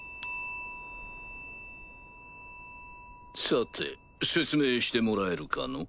さて説明してもらえるかの？